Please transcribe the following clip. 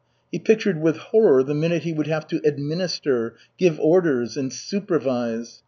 He pictured with horror the minute he would have to administer, give orders and supervise.